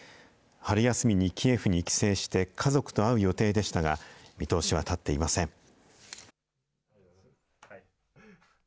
春休みにキエフに帰省して、家族と会う予定でしたが、見通しは立っていません。